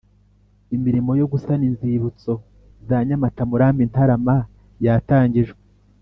Imirimo yo gusana inzibutso za Nyamata Murambi Ntarama yatangijwe